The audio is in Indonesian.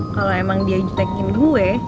kalau emang dia jekin gue